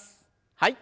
はい。